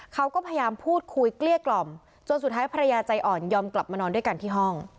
เขาก็พยายามพูดคุยเกลี้ยกล่อมจนสุดท้ายภรรยาใจอ่อนยอมกลับมานอนด้วยกันที่ห้อง